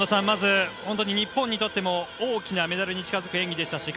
日本にとって大きなメダルに近づく演技でした。